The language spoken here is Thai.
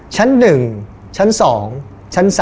ชั้น๑ชั้น๒ชั้น๓